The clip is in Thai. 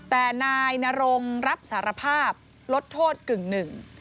แต่นายนรงรับสารภาพลดโทษกึ่งหนึ่ง